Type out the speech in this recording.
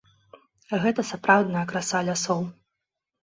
Гэта сапраўдная краса лясоў.